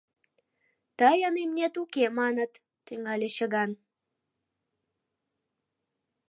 — Тыйын имнет уке, маныт, — тӱҥале чыган.